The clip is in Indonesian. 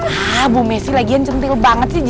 hah bu mesih lagian centil banget sih